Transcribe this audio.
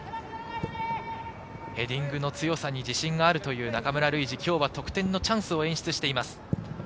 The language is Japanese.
ヘディングの強さに自信があるという中村ルイジ、今日は得点のチャンスを演出しています。